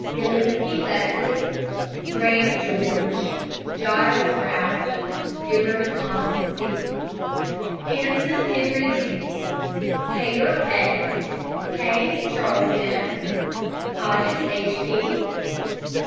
GILINSKI, LESLIE. GRAHAM, GEORGE. GILES, RALPH. GIVARD, HANS C. HANSEN, HENRY D. HAYTOR, A. HAYS, CHALES M. HODGES, H. P.